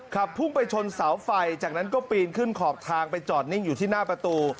ขับพุ่งไปชนเสาไฟจากนั้นก็ปีนขึ้นขอบทางไปจอดนิ่งอยู่ที่หน้าประตู